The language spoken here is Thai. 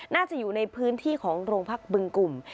น่าจะอยู่ในพื้นที่ของโรงพักบึงกลุ่ม